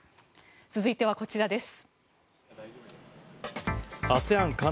続いてはこちらです。